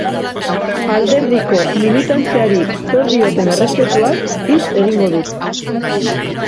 Alderdiko militantziari zor dioten errespetuaz hitz egingo dut.